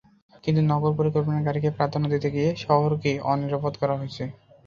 কিন্তু নগর পরিকল্পনায় গাড়িকে প্রাধান্য দিতে গিয়ে শহরকে অনিরাপদ করা হয়েছে।